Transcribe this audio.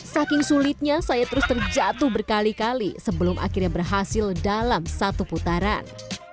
saking sulitnya saya terus terjatuh berkali kali sebelum akhirnya berhasil dalam satu putaran